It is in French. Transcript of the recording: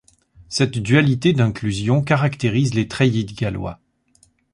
Cette dualité d'inclusion caractérise les treillis de Galois.